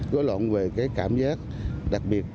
gối loạn về cái cảm giác đặc biệt